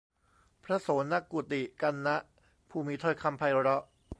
พระโสณกุฎิกัณณะ ผู้มีถ้อยคำไพเราะ